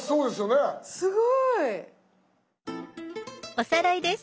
すごい。おさらいです。